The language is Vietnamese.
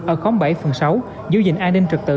ở khóm bảy phường sáu giữ gìn an ninh trực tự